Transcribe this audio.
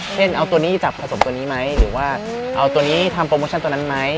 เช่นเอาตัวนี้จับผสมตัวนี้ไหมหรือว่าเอาตัวนี้ทำโปรโมชั่นตัวนั้นไหม